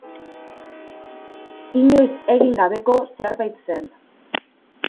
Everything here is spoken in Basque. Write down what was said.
Inoiz egin gabeko zerbait zen.